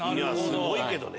すごいけどね！